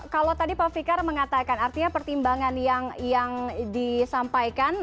kalau tadi pak fikar mengatakan artinya pertimbangan yang disampaikan